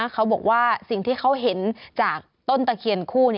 เขาบอกว่าสิ่งที่เขาเห็นจากต้นตะเคียนคู่